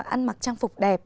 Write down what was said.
ăn mặc trang phục đẹp